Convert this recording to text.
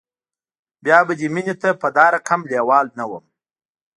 بیا به دې مینې ته په دا رقم لیوال نه وم